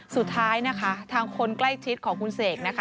สุดท้ายนะคะทางคนใกล้ชิดของคุณเสกนะคะ